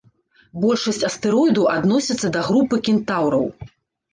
Большасць астэроідаў адносяцца да групы кентаўраў.